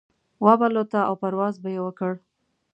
وابه لوته او پرواز به يې وکړ.